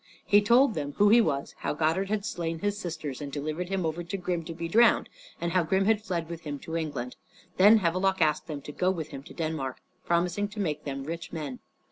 He told them who he was, how Godard had slain his sisters, and delivered him over to Grim to be drowned, and how Grim had fled with him to England. Then Havelok asked them to go with him to Denmark, promising to make them rich men.